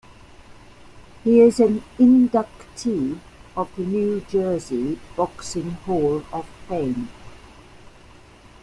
He is an inductee of the New Jersey Boxing Hall of Fame.